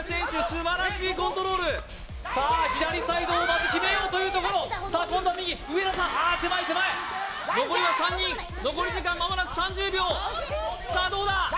すばらしいコントロールさあ左サイドをまず決めようというところさあ今度は右上田さんああ手前手前残りは３人残り時間間もなく３０秒さあどうだ？